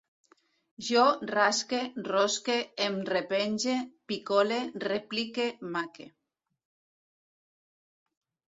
Jo rasque, rosque, em repenge, picole, replique, maque